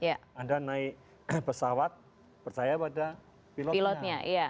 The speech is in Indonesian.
anda naik ke pesawat percaya pada pilotnya